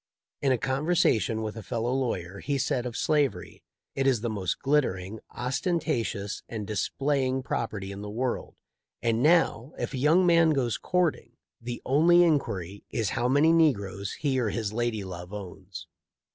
In a conversation with a fellow lawyer* he said of slavery: "It is the most glittering, ostentatious, and displaying property in the world, and now, if a young man goes courting, the only inquiry is how many negroes he or his lady love owns.